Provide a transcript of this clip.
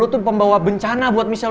lu tuh pembawa bencana buat michelle